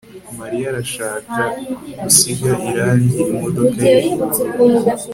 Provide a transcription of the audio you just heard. Mariya arashaka gusiga irangi imodoka ye ubururu